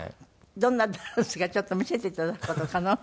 どんなダンスかちょっと見せて頂く事可能？